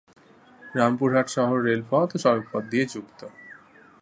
রামপুরহাট শহর রেলপথ ও সড়ক পথ দিয়ে যুক্ত।